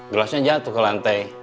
gelasnya jatuh ke lantai